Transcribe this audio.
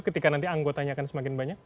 ketika nanti anggotanya akan semakin banyak